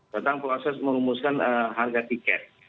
tentang proses merumuskan harga tiket